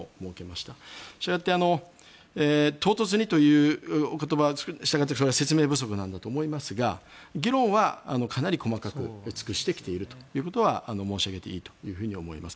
したがって、唐突にというお言葉説明不足なんだと思いますが議論はかなり細かく尽くしてきているということは申し上げていいと思います。